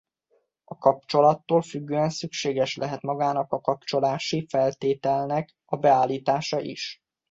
A kapcsolattól függően szükséges lehet magának a kapcsolási feltételnek a beállítása is.